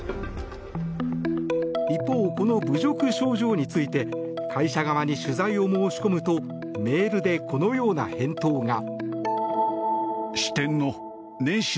一方、この侮辱賞状について会社側に取材を申し込むとメールで、このような返答が。